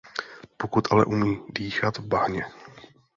Pokud ale umí dýchat v bahně.